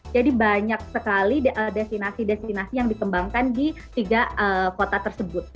jadi banyak sekali destinasi destinasi yang dikembangkan di tiga kota tersebut